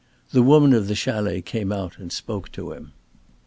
The woman of the chalet came out and spoke to him.